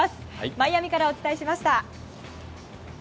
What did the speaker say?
マイアミからお伝えしました。